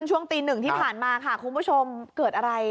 ช่วงตีหนึ่งที่ผ่านมาค่ะคุณผู้ชมเกิดอะไร